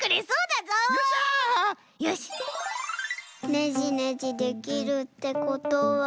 ねじねじできるってことは。